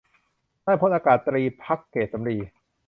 นายพลอากาศตรี ภักดิ์เกษสำลี